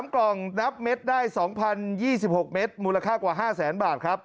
๔๓กล่องนับเม็ดได้๒๐๒๖เม็ดมูลค่ากว่า๕๐๐๐๐๐บาท